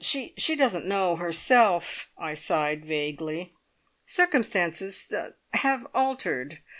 "She she doesn't know herself!" I sighed vaguely. "Circumstances have er altered.